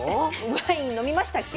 ワイン飲みましたっけ？